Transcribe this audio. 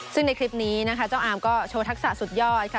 ซึ่งในคลิปนี้นะคะเจ้าอามก็โชว์ทักษะสุดยอดค่ะ